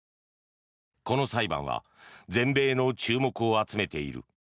この裁判は全米の注目を集めている。